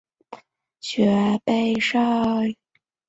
胡商彝是清朝光绪癸卯科进士。